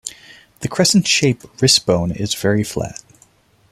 The crescent-shaped wrist bone is very flat.